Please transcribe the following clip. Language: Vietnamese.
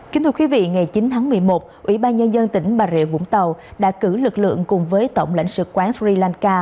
kính thưa quý vị ngày chín tháng một mươi một ủy ban nhân dân tỉnh bà rịa vũng tàu đã cử lực lượng cùng với tổng lãnh sự quán sri lanka